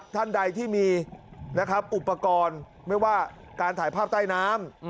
ท่านใดที่มีนะครับอุปกรณ์ไม่ว่าการถ่ายภาพใต้น้ำ